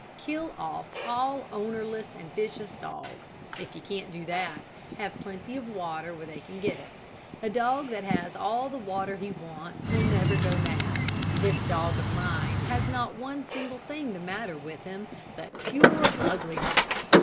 Kill off all ownerless and vicious dogs. If you can't do that, have plenty of water where they can get at it. A dog that has all the water he wants, will never go mad. This dog of mine has not one single thing the matter with him but pure ugliness.